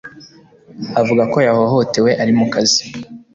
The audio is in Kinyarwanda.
Avuga ko yahohotewe ari ku kazi